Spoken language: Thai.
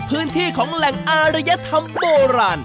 พื้นที่ของแหล่งอารยธรรมโบราณ